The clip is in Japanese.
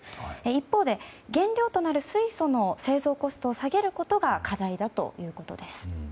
一方で、原料となる水素の製造コストを下げることが課題だということです。